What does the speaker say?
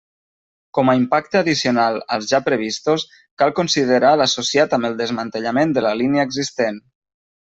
Com a impacte addicional als ja previstos, cal considerar l'associat amb el desmantellament de la línia existent.